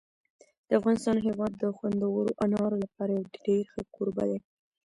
د افغانستان هېواد د خوندورو انارو لپاره یو ډېر ښه کوربه دی.